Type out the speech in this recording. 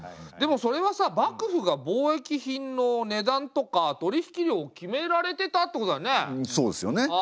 でもそれはさ幕府が貿易品の値段とか取り引き量を決められてたってことだよね。